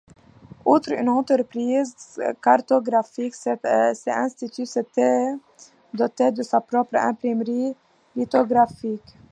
Outre une entreprise cartographique, cet institut s'était doté de sa propre imprimerie lithographique.